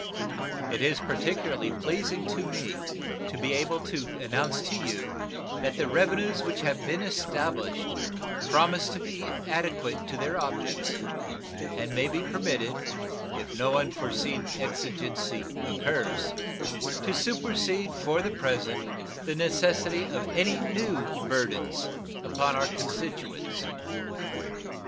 It is particularly pleasing to me to be able to announce to you that the revenues which have been established promise to be adequate to their objects, and may be permitted, if no unforeseen exigency occurs, to supersede for the present the necessity of any new burthens upon our constituents.